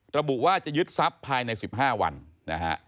ระบุว่าจะยึดทรัพย์ภายใน๑๕วันนะฮะ